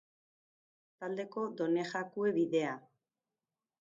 Bertatik igarotzen da Kostaldeko Donejakue bidea.